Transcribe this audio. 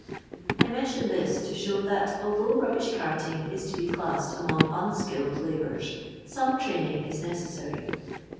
I mention this to show, thnt nlthnujrb rubbish carting is to be classed among unskilled labours, some training is nocossar}'.